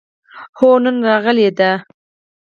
هو، نن راغلې ده